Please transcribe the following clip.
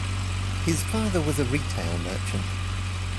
His father was a retail merchant.